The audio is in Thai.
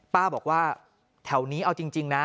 ป้าบอกว่าแถวนี้เอาจริงนะ